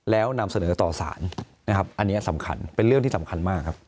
แล้วนำเสนอต่อสารนะครับอันนี้สำคัญเป็นเรื่องที่สำคัญมากครับ